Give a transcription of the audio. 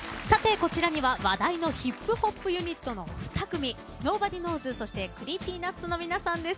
こちらには話題のヒップホップユニットの２組ｎｏｂｏｄｙｋｎｏｗｓ＋ＣｒｅｅｐｙＮｕｔｓの皆さんです。